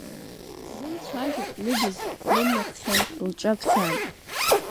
Дзымцәажәо, лыбз лымнаххьан, лҿы акхьан.